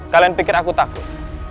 kalian pikir aku takut